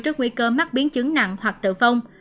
trước nguy cơ mắc biến chứng nặng hoặc tử vong